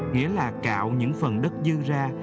nghĩa là cạo những phần đất dư ra